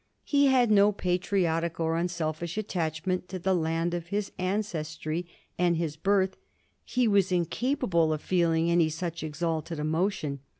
He had no patriotic or unselfish attachment to the land of his ancestry and his birth; he was incapable of feeling any such exalted emotion.